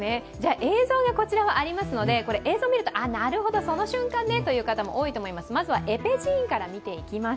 映像がありますので、映像を見るとなるほど、その瞬間ねという方も多いかもしれません。